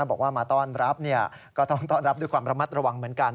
บอกว่ามาต้อนรับก็ต้องต้อนรับด้วยความระมัดระวังเหมือนกัน